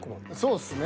そうっすね。